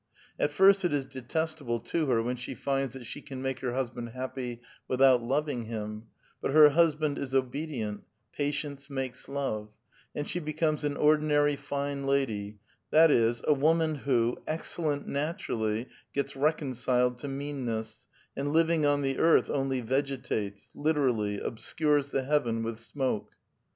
At first it is detestable to her when she finds that she can make her husband happy without loving him ; but her husband is obedient, — ''patience makes love," — and she becomes an ordinary fine lady, that is, a women who, excel lent naturally, gets reconciled to meanness, and living on the earth only vegetates (literally, obscures the heaven with smoke).